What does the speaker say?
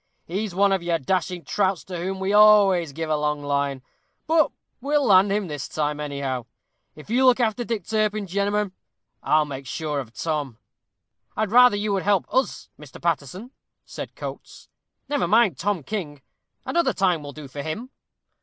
He's one of your dashing trouts to whom we always give a long line, but we'll land him this time, anyhow. If you'll look after Dick Turpin, gemmen, I'll make sure of Tom." "I'd rather you would help us, Mr. Paterson," said Coates; "never mind Tom King; another time will do for him."